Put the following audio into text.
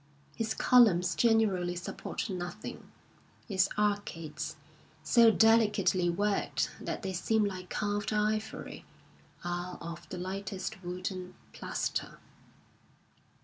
His columns generally support nothing ; his arcades, so delicately worked that they seem like carved ivory, are of the lightest wood and plaster.